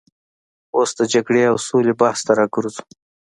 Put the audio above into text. اوس د جګړې او سولې بحث ته راګرځو.